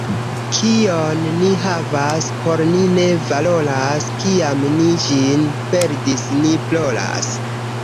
Kion ni havas, por ni ne valoras, — kiam ni ĝin perdis, ni ploras.